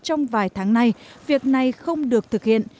trong vài tháng nay việc này không được thực hiện